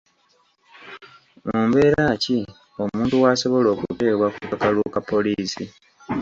Mu mbeera ki omuntu w'asobola okuteebwa ku kakalu ka poliisi?